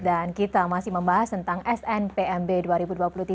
dan kita masih membahas tentang snbp